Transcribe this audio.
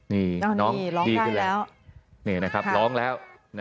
นี่น้องดีขึ้นแล้วนี่นะครับร้องแล้ว